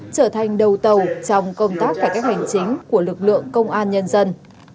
trở thành đầu tàu trong công tác cải cách hành chính của lực lượng công an nhân dân